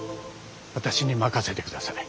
私に任せてください。